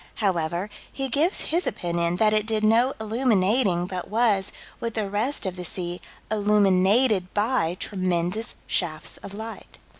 However, he gives his opinion that it did no illuminating but was, with the rest of the sea, illuminated by tremendous shafts of light.